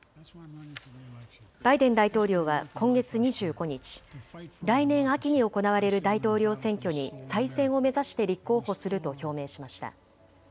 バイデン大統領は今月２５日、来年秋に行われる大統領選挙に再選を目指して立候補すると表明しました。